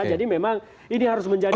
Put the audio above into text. jadi memang ini harus menjadi